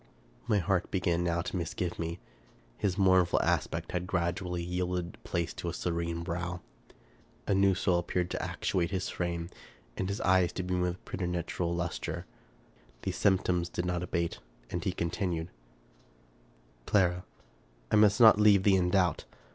My heart began now to misgive me. His mournful aspect had gradually yielded place to a serene brow. A new soul appeared to actuate his frame, and his eyes to beam with preternatural luster. These symptoms did not abate, and he continued :—" Clara, I must not leave thee in doubt.